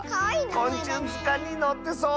こんちゅうずかんにのってそう！